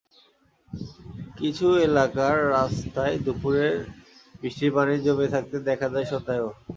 কিছু এলাকার রাস্তায় দুপুরের বৃষ্টির পানি জমে থাকতে দেখা যায় সন্ধ্যায়ও।